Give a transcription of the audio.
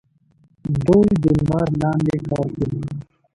دوی د لمر لاندې کار کوي.